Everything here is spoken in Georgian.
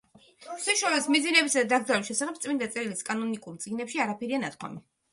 ღვთისმშობლის მიძინებისა და დაკრძალვის შესახებ წმინდა წერილის კანონიკურ წიგნებში არაფერია ნათქვამი.